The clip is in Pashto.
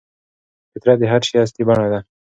فطرت د هر شي اصلي بڼه ده.